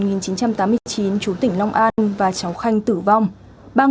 sinh năm một nghìn chín trăm tám mươi chín chú tỉnh long an và cháu khanh tử vong